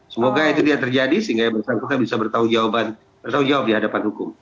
semoga itu tidak terjadi sehingga yang bersangkutan bisa bertanggung jawab di hadapan hukum